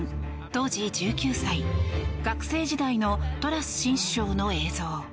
当時１９歳、学生時代のトラス新首相の映像。